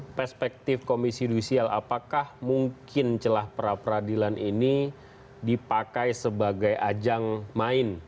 perspektif komisi judisial apakah mungkin celah peradilan ini dipakai sebagai ajang main